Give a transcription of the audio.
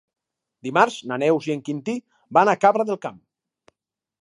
Dimarts na Neus i en Quintí van a Cabra del Camp.